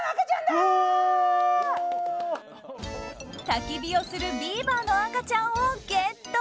たき火をするビーバーの赤ちゃんをゲット。